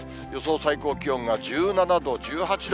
最高気温が１７度、１８度。